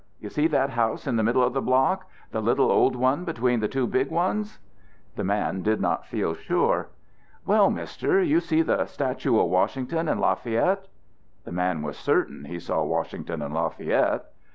You see that house in the middle of the block, the little old one between the two big ones?" The man did not feel sure. "Well, Mister, you see the statue of Washington and Lafayette?" The man was certain he saw Washington and Lafayette.